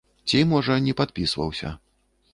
Ці, можа, не падпісваўся.